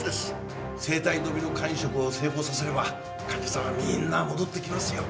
生体ドミノ肝移植を成功させれば患者さんはみんな戻ってきますよ。